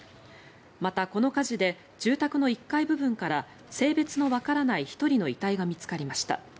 また、この火事で住宅の１階部分から性別のわからない１人の遺体が見つかりました。